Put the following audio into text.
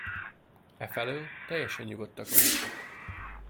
Efelől teljesen nyugodtak lehettek.